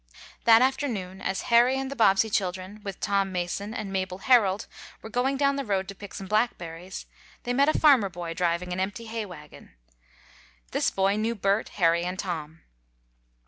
That afternoon, as Harry and the Bobbsey children, with Tom Mason and Mabel Herold were going down the road to pick some blackberries, they met a farmer boy driving an empty hay wagon. This boy knew Bert, Harry and Tom.